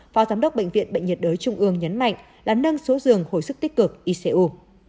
phó giám đốc bệnh viện bệnh nhiệt đới trung ương nhấn mạnh là nâng số giường hồi sức tích cực icu